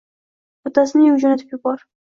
Otasini uyiga jo`natib yubor